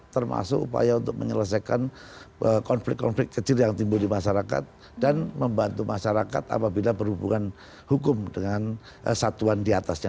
termasuk upaya untuk menyelesaikan konflik konflik kecil yang timbul di masyarakat dan membantu masyarakat apabila berhubungan hukum dengan satuan diatasnya